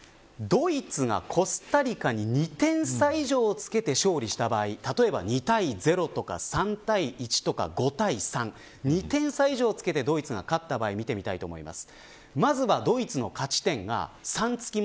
ドイツがコスタリカに２点差以上つけて勝利した場合例えば２対０とか３対１とか５対３２点差以上つけてドイツが勝った場合見てみたいと思います。